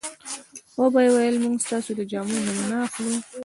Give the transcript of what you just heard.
وبه یې ویل موږ ستاسو د جامو نمونه اخلو.